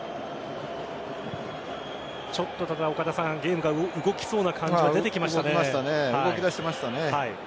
ちょっとゲームが動きそうな感じが動き出しましたね。